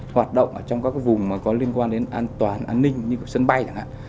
hoạt động trong các vùng có liên quan đến an toàn an ninh như sân bay